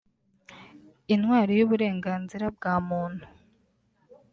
intwari y’ uburenganzira bwa muntu